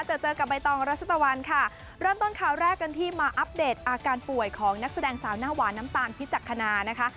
เจอเจอกับใบตองรัชตะวันค่ะเริ่มต้นข่าวแรกกันที่มาอัปเดตอาการป่วยของนักแสดงสาวหน้าหวานน้ำตาลพิจักษณานะคะ